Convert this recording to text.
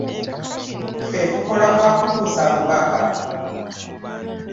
Ffe tukola gwa kutuusa bubaka.